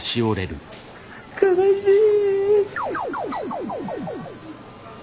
悲しい。